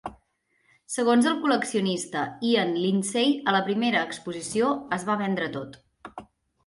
Segons el col·leccionista Ian Lindsay, a la primera exposició es va vendre tot.